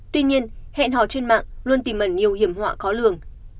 tuy nhiên hẹn hò trên mạng luôn tìm ẩn nhiều hiểm họa khó lường